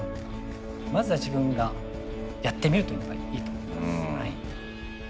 まずは自分がやってみるというのがいいと思います。